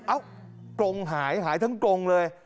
อ้าวกรงหายทั้งกรงเลย